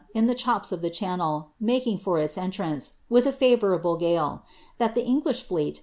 in the chops of the Channel, making for its entrance, wilh a favourable gale; that the English fleet.